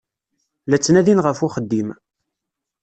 La ttnadin ɣef uxeddim.